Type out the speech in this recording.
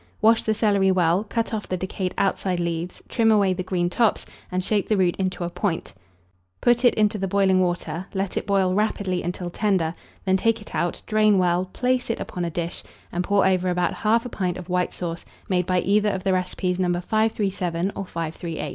Wash the celery well; cut off the decayed outside leaves, trim away the green tops, and shape the root into a point; put it into the boiling water; let it boil rapidly until tender; then take it out, drain well, place it upon a dish, and pour over about 1/2 pint of white sauce, made by either of the recipes No. 537 or 538.